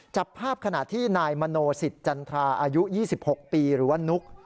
จับภาพขณะที่นายมโนสิตจันทราอายุ๒๖ปีหรือว่านุ๊ก